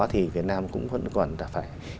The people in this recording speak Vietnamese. thì việt nam cũng vẫn còn phải